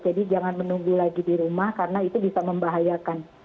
jadi jangan menunggu lagi di rumah karena itu bisa membahayakan